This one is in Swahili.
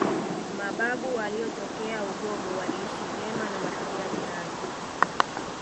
Mababu waliotokea Ugogo waliishi vyema na makibila jirani